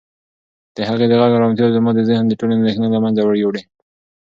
د هغې د غږ ارامتیا زما د ذهن ټولې اندېښنې له منځه یووړې.